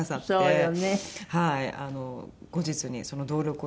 はい。